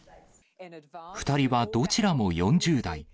２人はどちらも４０代。